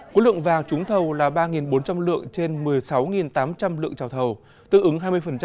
khối lượng vàng trúng thầu là ba bốn trăm linh lượng trên một mươi sáu tám trăm linh lượng trào thầu tương ứng hai mươi